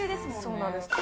そうなんです。